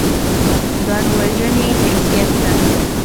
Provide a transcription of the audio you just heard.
ځان وژنې حیثیت درلود.